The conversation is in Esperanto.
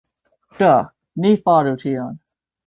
Do, ni faru tion